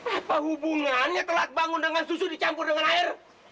apa hubungannya telat bangun dengan susu dicampur dengan air